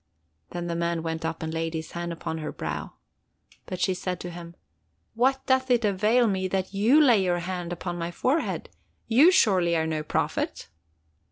Then the man went up and laid his hand upon her brow. But she said to him: 'What doth it avail me that you lay your hand upon my forehead? You surely are no prophet?